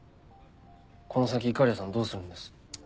この先いかりやさんどうするんです？